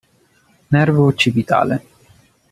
Nervo occipitale